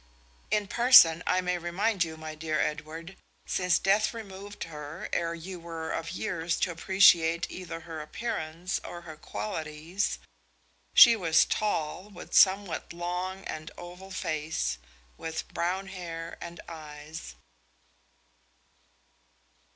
In person, I may remind you, my dear Edward, since death removed her ere you were of years to appreciate either her appearance or her qualities, she was tall, with a somewhat long and oval face, with brown hair and eyes.